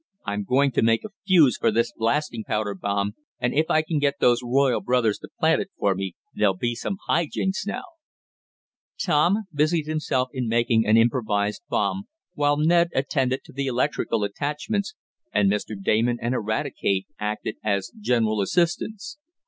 I'm going to make a fuse for this blasting powder bomb, and if I can get those royal brothers to plant it for me, there'll be some high jinks soon." Tom busied himself in making an improvised bomb, while Ned attended to the electrical attachments, and Mr. Damon and Eradicate acted as general assistants.